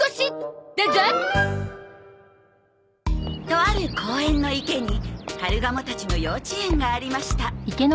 とある公園の池にカルガモたちの幼稚園がありました